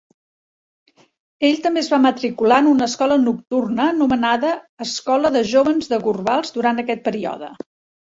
Ell també es va matricular en una escola nocturna anomenada Escola de jovens de Gorbals durant aquest període.